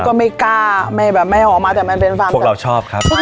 ก็ไม่กล้าไม่แบบไม่เอาออกมาแต่มันเป็นฟาร์มพวกเราชอบครับพวกเราชอบ